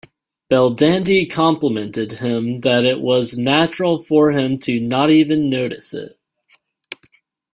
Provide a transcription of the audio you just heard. Belldandy complimented him that it was natural for him to not even notice it.